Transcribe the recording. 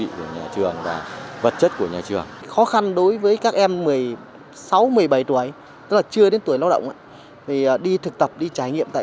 thì nhà trường cũng rất muốn đề xuất là hệ thống luật của chúng ta có các thông tư